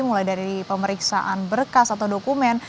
mulai dari pemeriksaan berkas atau dokumen